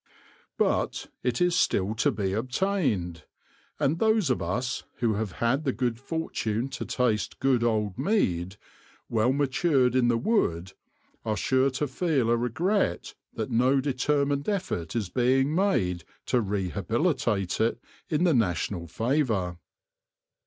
But it is still to be obtained ; and those of us who have had the good fortune to taste good old mead, well matured in the wood, are sure to feel a regret that no determined effort is being made to rehabilitate it in the national favour.